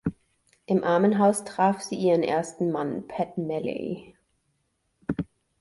Im Armenhaus traf sie ihren ersten Mann, Pat Malley.